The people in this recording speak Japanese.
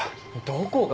どこが？